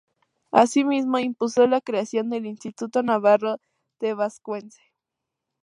Asimismo impulsó la creación del Instituto Navarro del Vascuence.